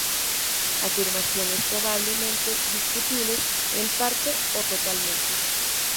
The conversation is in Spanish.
Afirmaciones probablemente discutibles en parte o totalmente.